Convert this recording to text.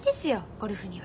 ゴルフには。